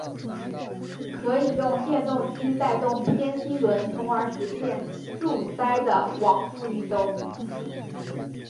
可以用电动机带动偏心轮从而实现柱塞的往复运动。